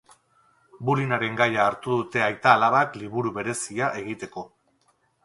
Bullyingaren gaia hartu dute aita-alabak liburu berezia egiteko.